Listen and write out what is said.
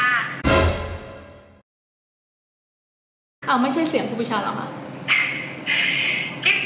เอ้าไม่ใช่เสียงกุฟุชาหรือบ่า